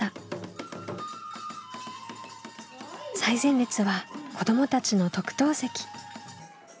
最前列は子どもたちの特等席。